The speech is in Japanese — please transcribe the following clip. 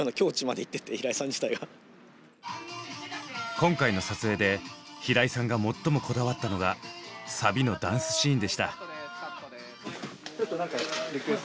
今回の撮影で平井さんが最もこだわったのがサビのダンスシーンでした。